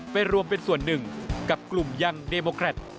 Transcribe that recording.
รวมเป็นส่วนหนึ่งกับกลุ่มยังเดโมแครต